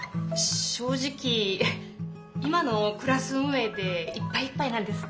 正直今のクラス運営でいっぱいいっぱいなんです。